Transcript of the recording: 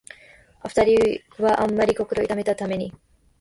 二人はあんまり心を痛めたために、